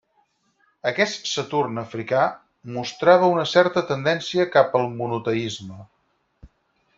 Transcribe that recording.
Aquest Saturn africà mostrava una certa tendència cap al monoteisme.